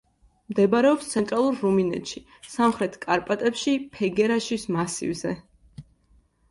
მდებარეობს ცენტრალურ რუმინეთში, სამხრეთ კარპატებში, ფეგერაშის მასივზე.